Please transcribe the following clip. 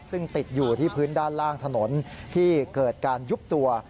ซึ่งติดอยู่ที่พื้นด้านล่างถนนที่เกิดการยุบตัว